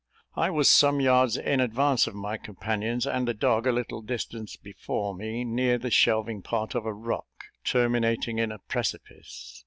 I was some yards in advance of my companions, and the dog a little distance before me, near the shelving part of a rock, terminating in a precipice.